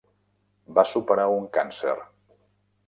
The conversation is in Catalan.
Va superar un càncer.